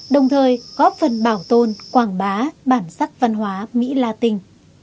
đồng thời góp phần bảo tồn quảng bá bản sắc văn hóa mỹ latin